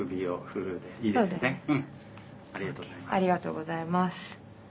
ありがとうございます。